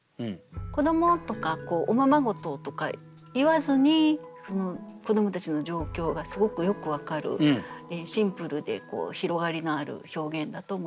「子ども」とか「おままごと」とか言わずに子どもたちの状況がすごくよく分かるシンプルで広がりのある表現だと思います。